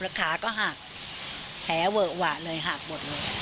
ขาก็หักแผลเวอะหวะเลยหักหมดเลย